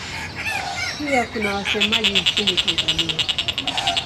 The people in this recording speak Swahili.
Pia kuna wasemaji nchini Tanzania.